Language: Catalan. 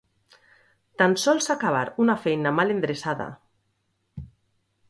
Tan sols acabar una feina mal endreçada.